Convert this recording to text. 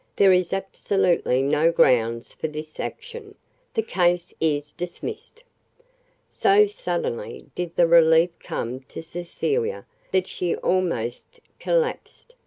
There is absolutely no grounds for this action. The case is dismissed." So suddenly did the relief come to Cecilia that she almost collapsed.